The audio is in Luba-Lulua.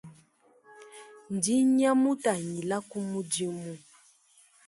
Ndinya, mutangila ku mudimu.